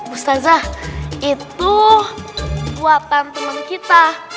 ustazah itu buatan temen kita